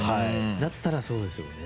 だったらそうですよね。